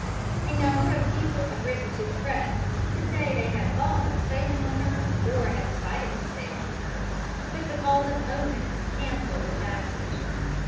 A number of people have written to the press to say they had thought of sailing on her, or had decided to sail on her, but because of "omens" cancelled the passage.